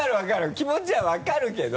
気持ちは分かるけど。